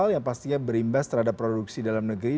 yang pastinya berimbas terhadap produksi dalam negeri